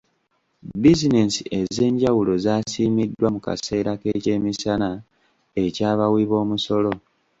Bizinensi ez'enjawulo zaasiimiddwa mu kaseera k'ekyemisana eky'abawi b'omusolo.